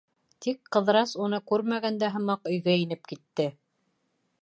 Тик Ҡыҙырас уны күрмәгән дә һымаҡ өйгә инеп китте.